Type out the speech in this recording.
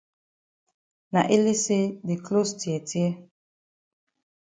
Na ele say the closs tear tear.